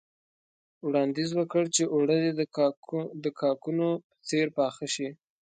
وړانديز وکړ چې اوړه دې د کاکونو په څېر پاخه شي.